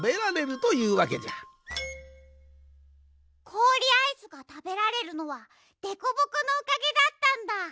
こおりアイスがたべられるのはでこぼこのおかげだったんだ！